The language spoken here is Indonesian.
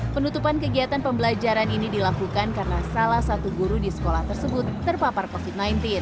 penutupan kegiatan pembelajaran ini dilakukan karena salah satu guru di sekolah tersebut terpapar covid sembilan belas